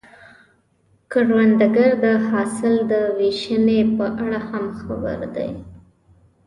کروندګر د حاصل د ویشنې په اړه هم خبر دی